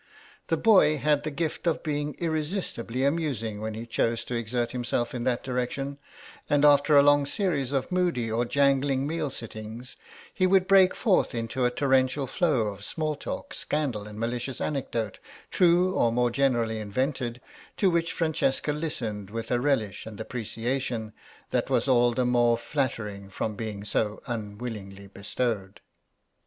The boy had the gift of being irresistibly amusing when he chose to exert himself in that direction, and after a long series of moody or jangling meal sittings he would break forth into a torrential flow of small talk, scandal and malicious anecdote, true or more generally invented, to which Francesca listened with a relish and appreciation, that was all the more flattering from being so unwillingly bestowed.